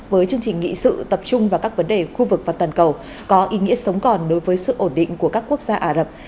với chương trình nghị sự tập trung vào các vấn đề khu vực và toàn cầu có ý nghĩa sống còn đối với sự ổn định của các quốc gia ả rập